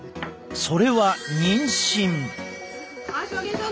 それは妊娠。